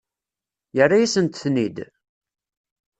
Yerra-yasent-ten-id?